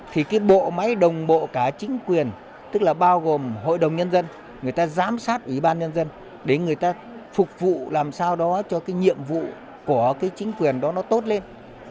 thì cái bộ máy đồng bộ cả chính quyền tức là bao gồm hội đồng nhân dân người ta giám sát ủy ban nhân dân để người ta phục vụ làm sao đó cho cái nhiệm vụ của cái chính quyền đó nó tốt lên